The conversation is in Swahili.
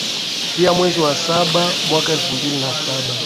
pia mwezi wa saba mwaka elfu mbili na saba